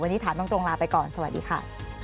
วันนี้ถามตรงลาไปก่อนสวัสดีค่ะ